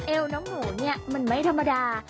เอวน้องหมูเนี่ยมันไม่ธรรมดา